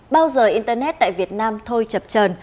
bao giờ internet tại việt nam thôi chập trờn